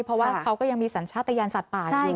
เพราะว่าเขาก็ยังมีสัญชาติยานสัตว์ป่าอยู่